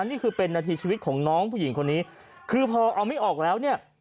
นี่คือเป็นนาทีชีวิตของน้องผู้หญิงคนนี้คือพอเอาไม่ออกแล้วเนี่ย